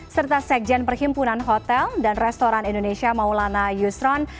serta sekjen perhimpunan hotel dan restoran indonesia maulana yusron